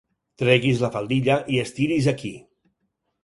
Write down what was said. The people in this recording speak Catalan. Tregui's la faldilla i estiri's aquí.